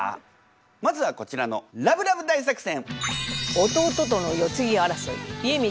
まずはこちらのラブラブ大作戦！